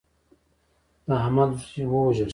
د احمد زوی ووژل شو.